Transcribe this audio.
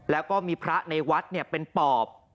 แล้วก็มีพระในวัดเป็นปอบ